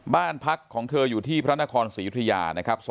บ้านพักของเธออยู่ที่พระนครศรียุธยานะครับ